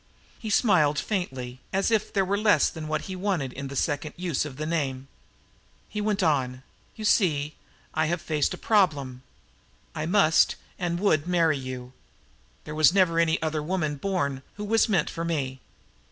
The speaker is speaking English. He smiled faintly, as if there were less of what he wanted in that second use of the name. He went on: "So you see, I faced a problem. I must and would marry you. There was never any other woman born who was meant for me.